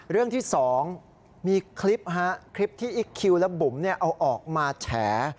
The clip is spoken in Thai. เรื่องที่๒มีคลิปคลิปที่อิ๊กคิวและบุ๋มเอาออกมาแฉ